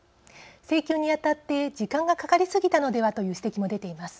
請求に当たって時間がかかり過ぎたのではという指摘も出ています。